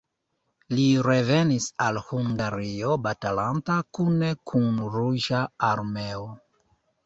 Li revenis al Hungario batalanta kune kun Ruĝa Armeo.